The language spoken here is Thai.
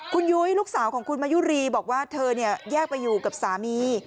คุณยุ้ยลูกสาวของคุณมายุรีบอกว่าเธอแยกไปอยู่กับสามี